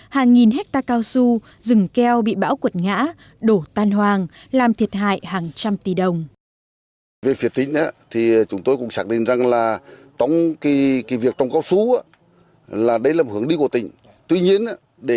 hàng nghìn hecta cao su rừng keo bị bão cuột ngã đổ tan hoang làm thiệt hại hàng trăm tỷ đồng